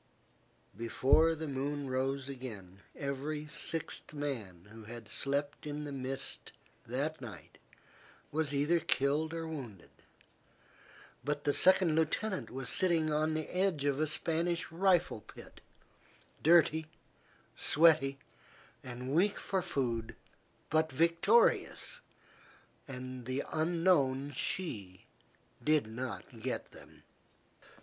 Before the moon rose again, every sixth man who had slept in the mist that night was either killed or wounded; but the second lieutenant was sitting on the edge of a Spanish rifle pit, dirty, sweaty, and weak for food, but victorious, and the unknown she did not get them.